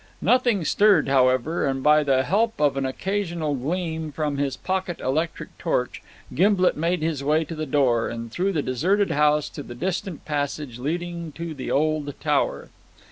Nothing stirred, however, and by the help of an occasional gleam from his pocket electric torch Gimblet made his way to the door, and through the deserted house to the distant passage leading to the old tower.